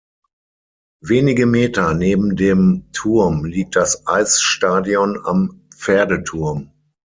Wenige Meter neben dem Turm liegt das Eisstadion am Pferdeturm.